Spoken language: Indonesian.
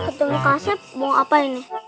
kak sepp mau apa ini